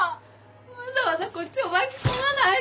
わざわざこっちを巻き込まないで！